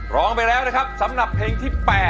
ร้องไปแล้วนะครับสำหรับเพลงที่๘